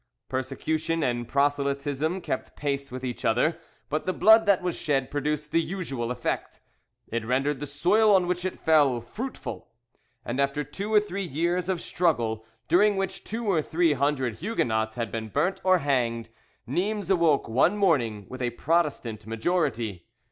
Persecution and proselytism kept pace with each other, but the blood that was shed produced the usual effect: it rendered the soil on which it fell fruitful, and after two or three years of struggle, during which two or three hundred Huguenots had been burnt or hanged, Nimes awoke one morning with a Protestant majority.